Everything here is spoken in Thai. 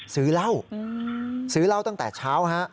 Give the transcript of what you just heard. ซื้อเหล้าซื้อเหล้าตั้งแต่เช้าฮะ